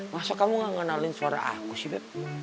masa kamu gak ngenalin suara aku sih bed